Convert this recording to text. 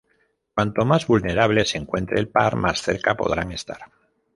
Cuanto más vulnerable se encuentre el par, más cerca podrán estar.